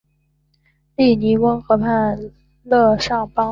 利尼翁河畔勒尚邦。